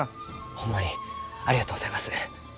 ホンマにありがとうございます。